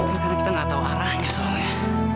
karena kita gak tau arahnya soalnya